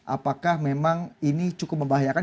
apakah memang ini cukup membahayakan